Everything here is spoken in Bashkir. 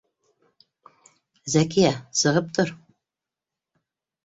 — Зәкиә, сығып тор